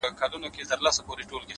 ستا د وعدو د وني سبوري ته ناست